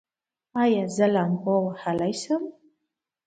ایا زه لامبو وهلی شم؟